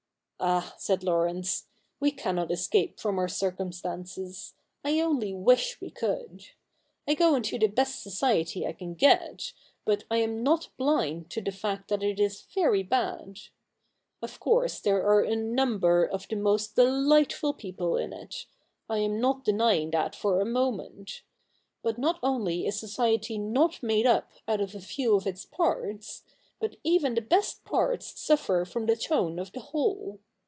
*Ah!' said Laurence, 'we cannot escape from our circumstances : I only wish we could. I go into the best society I can get, but I am not blind to the fact that it is very bad. Of course there are a number of the most delightful people in it : I am not denying that for a moment. But not only is society not made up out of a few of its parts, but even the best parts suffer from the tone of the whole.